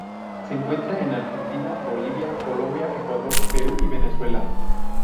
Se encuentra en Argentina, Bolivia, Colombia, Ecuador, Perú y Venezuela.